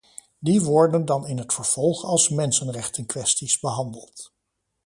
Die worden dan in het vervolg als mensenrechtenkwesties behandeld.